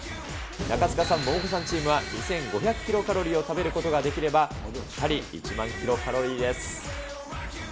中務さん、モモコさんチームは２５００キロカロリーを食べることができればぴったり１万キロカロリーです。